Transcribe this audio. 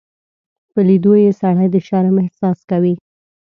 په لیدو یې سړی د شرم احساس کوي.